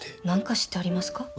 何か知ってはりますか？